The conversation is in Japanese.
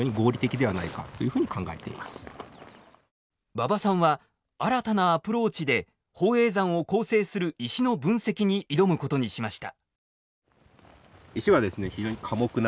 馬場さんは新たなアプローチで宝永山を構成する石の分析に挑むことにしました。